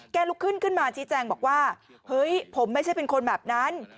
ลุกขึ้นขึ้นมาชี้แจงบอกว่าเฮ้ยผมไม่ใช่เป็นคนแบบนั้น